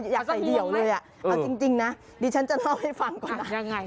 อยากใส่เดี่ยวเลยอ่ะเอาจริงนะดิฉันจะเล่าให้ฟังก่อน